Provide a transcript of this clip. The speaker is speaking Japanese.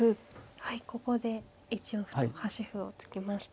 はいここで１四歩と端歩を突きました。